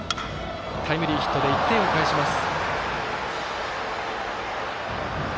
タイムリーヒットで１点を返します。